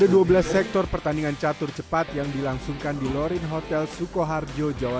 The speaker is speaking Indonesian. ada dua belas sektor pertandingan catur cepat yang dilangsungkan di lorin hotel sukoharjo jawa